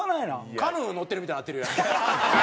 カヌー乗ってるみたいになってるやん。